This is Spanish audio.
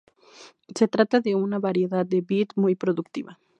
Se trata de una variedad de vid muy productiva.